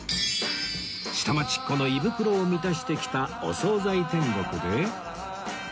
下町っ子の胃袋を満たしてきたお総菜天国で